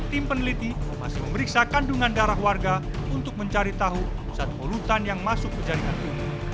tim peneliti masih memeriksa kandungan darah warga untuk mencari tahu zat polutan yang masuk ke jaringan ini